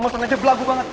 mau pesen aja belagu banget